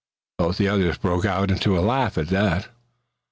Both the others broke out into a laugh at that.